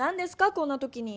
こんな時に。